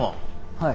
はい。